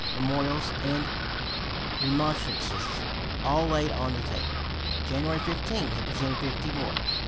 257) memorials, and remonstrances, all laid on the table." January 15 he presented fifty more.